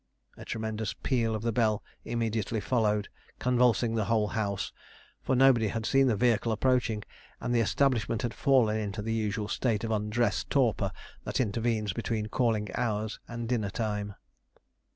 A tremendous peal of the bell immediately followed, convulsing the whole house, for nobody had seen the vehicle approaching, and the establishment had fallen into the usual state of undress torpor that intervenes between calling hours and dinner time.